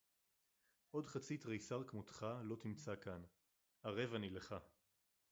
עוד חצי תריסר כמותך לא תמצא כאן, ערב אני לך.